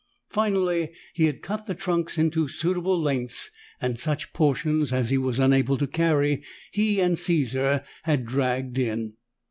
Finally, he had cut the trunks into suitable lengths, and such portions as he was unable to carry, he and Caesar had dragged in.